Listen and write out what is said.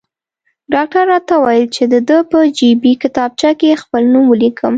ډاکټر راته وویل چې د ده په جیبي کتابچه کې خپل نوم ولیکم.